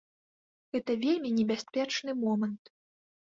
Гэта вельмі небяспечны момант.